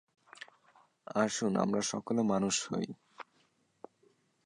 আসুন, আমরা সকলে মানুষ হই।